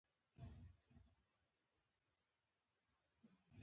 شیدې او مستې ډېری خلک خوري